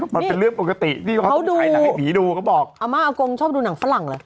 มันเป็นเรื่องปกติที่เขาถ่ายหนังให้ผีดูเขาบอกอาม่าอากงชอบดูหนังฝรั่งเหรอ